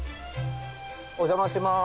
お邪魔します。